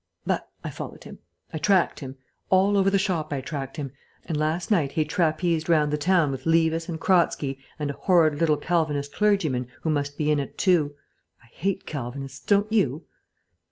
But I followed him. I tracked him. All over the shop I tracked him. And last night he trapesed round the town with Levis and Kratzky and a horrid little Calvinist clergyman who must be in it too. I hate Calvinists, don't you?"